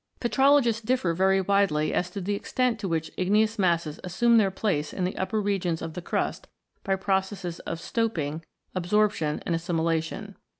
Petrologists differ very widely as to the extent to which igneous masses assume their place in the upper v] IGNEOUS ROCKS 125 regions of the crust by processes of " stoping," absorp tion, and assimilation.